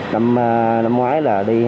năm ngoái là đi